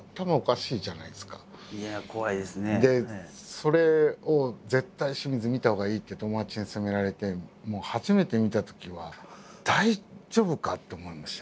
それを「絶対清水見たほうがいい」って友達に薦められて初めて見たときは大丈夫か？と思いましたね。